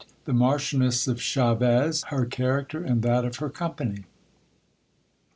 — The Marchioness of Chaves : her character, and that of her company.